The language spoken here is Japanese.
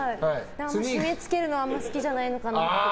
締め付けるのはあんまり好きじゃないのかなって。